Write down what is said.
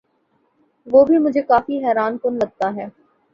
وہ بھی مجھے کافی حیران کن لگتا ہے۔